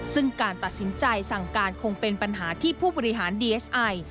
ซึ่งการตัดสินใจสั่งการคงเป็นปัญหาที่ผู้บริหารดีเอสไอ